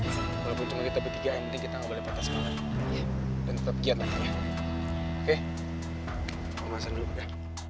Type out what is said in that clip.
kalau keuntungan kita p tiga yang penting kita nggak boleh patah sekali dan tetap kiat ya oke pemanasan dulu ya